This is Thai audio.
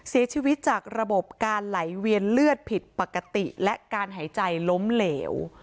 เสียชีวิตจากระบบการไหลเวียนเลือดผิดปกติและการหายใจล้มเหลว